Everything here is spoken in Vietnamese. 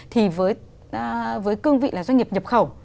thì với cương vị doanh nghiệp nhập khẩu